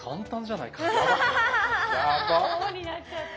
王になっちゃった。